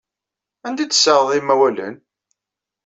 Anda ay d-tessaɣeḍ imawalen?